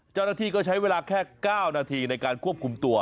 เจ้าหน้าที่ก็ใช้เวลาแค่๙นาทีในการควบคุมตัว